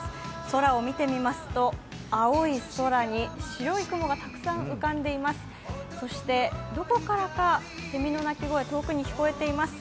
空を見てみますと青い空に白い雲がたくさん浮かんでいます。